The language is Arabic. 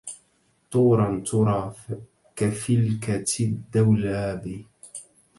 طوراً تُرى كفِلكةِ الدولاب